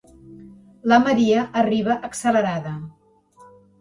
La Maria arriba accelerada.